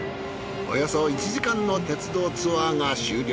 およそ１時間の鉄道ツアーが終了。